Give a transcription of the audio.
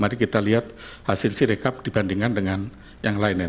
mari kita lihat hasil siri kpu dibandingkan dengan yang lainnya